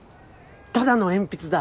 ただの鉛筆だ。